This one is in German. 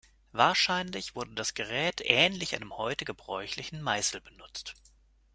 Wahrscheinlich wurde das Gerät ähnlich einem heute gebräuchlichen Meißel, benutzt.